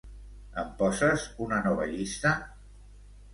Em poses una nova llista?